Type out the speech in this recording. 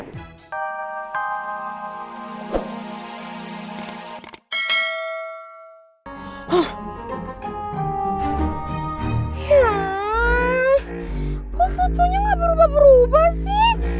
ya kok fotonya gak berubah berubah sih